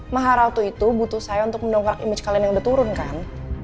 mha ratu itu butuh saya untuk mendongkrak imaj kalian yang udah turun kan